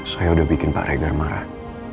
saya udah bikin pak regar marah